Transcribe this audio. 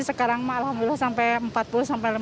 sekarang alhamdulillah sampai empat puluh sampai lima puluh